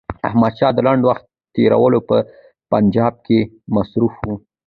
احمدشاه د لنډ وخت تېرولو په پنجاب کې مصروف وو.